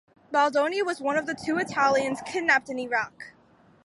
Baldoni was one of two Italians kidnapped in Iraq.